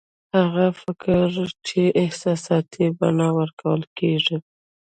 هغه فکر چې احساساتي بڼه ورکول کېږي